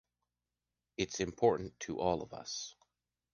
It’s important to all of us.